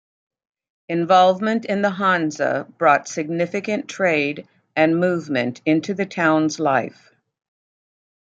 Involvement in the Hansa brought significant trade and movement into the town's life.